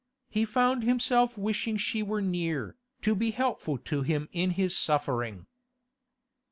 He found himself wishing she were near, to be helpful to him in his suffering.